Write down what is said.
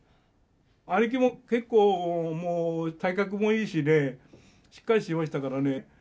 兄貴も結構もう体格もいいしねしっかりしてましたからね。